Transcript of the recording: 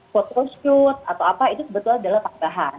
photoshoot atau apa itu sebetulnya adalah tanggahan